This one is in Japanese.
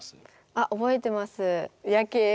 あ覚えてます。